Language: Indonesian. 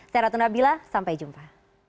saya ratu nabila sampai jumpa